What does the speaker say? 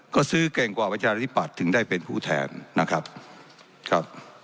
ก็ซื้อเก่งกว่าประชาธิปัตย์ถึงได้เป็นผู้แทนนะครับครับ